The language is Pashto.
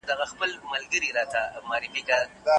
مسیحا چي مي اکسیر جو کړ ته نه وې